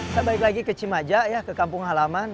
saya balik lagi ke cimaja ya ke kampung halaman